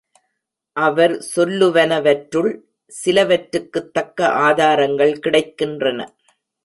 அவர் சொல்லுவனவற்றுள் சிலவற்றுக்குத் தக்க ஆதாரங்கள் கிடைக்கின்றன.